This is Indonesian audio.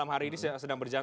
hari ini sedang berjalan